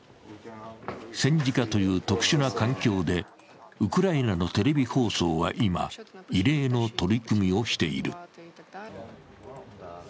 戦時下という特殊な環境でウクライナのテレビ放送は今、異例の取り組みをしている。